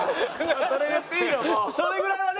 それ言っていいの？